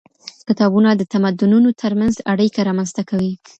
کتابونه د تمدنونو ترمنځ اړيکه رامنځته کوي.